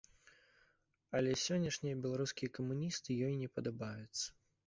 Але сённяшнія беларускія камуністы ёй не падабаюцца.